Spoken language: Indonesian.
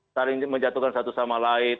saling menjatuhkan satu sama lain